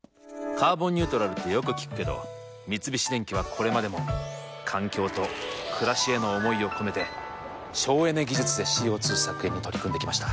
「カーボンニュートラル」ってよく聞くけど三菱電機はこれまでも環境と暮らしへの思いを込めて省エネ技術でＣＯ２削減に取り組んできました。